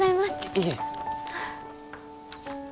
いえ。